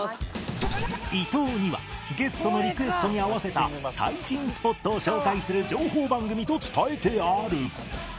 伊藤にはゲストのリクエストに合わせた最新スポットを紹介する情報番組と伝えてある